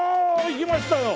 いきましたよ！